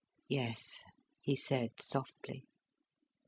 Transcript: "Yes," he said softly.